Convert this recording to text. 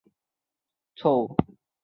表格可能不完整甚至有错误。